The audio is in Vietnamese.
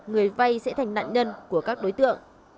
người vay sẽ thành nạn nhân của các đối tượng